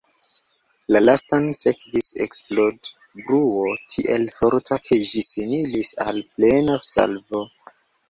La lastan sekvis eksplodbruo tiel forta, ke ĝi similis al plena salvo.